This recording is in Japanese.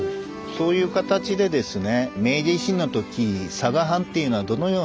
そういう形でですね